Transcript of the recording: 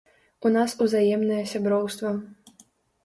У нас узаемнае сяброўства.